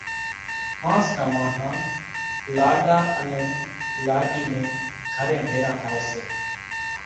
هانز نان ماڻۿان لاڏا انين لاڏِي نين گھرين ڀيران ٿائيَ سي۔